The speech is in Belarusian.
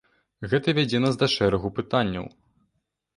Гэта вядзе нас да шэрагу пытанняў.